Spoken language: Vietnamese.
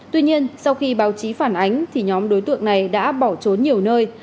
tuy nhiên sau khi báo chí phản ánh thì nhóm đối tượng này đã bỏ trốn nhiều nơi